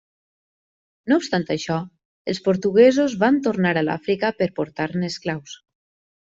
No obstant això, els portuguesos van tornar a l'Àfrica per portar-ne esclaus.